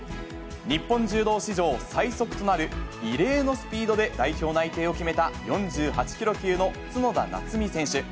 日本柔道史上最速となる異例のスピードで代表内定を決めた、４８キロ級の角田夏実選手。